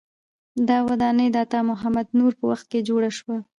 دا ودانۍ د عطا محمد نور په وخت کې جوړه شوه.